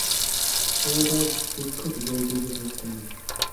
সমুদয় বৃক্ষটিই ঐ বীজে বর্তমান।